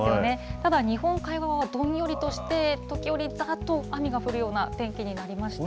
ただ、日本海側はどんよりとして、時折ざーっと雨が降るような天気になりました。